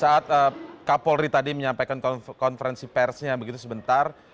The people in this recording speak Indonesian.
saat kapolri tadi menyampaikan konferensi persnya begitu sebentar